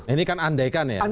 ini kan andaikan ya